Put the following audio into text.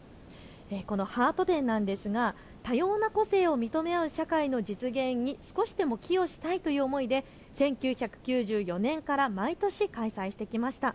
このハート展なんですが多様な個性を認め合う社会の実現に少しでも寄与したいという思いで１９９４年から毎年開催してきました。